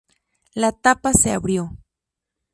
La tapa se abrió.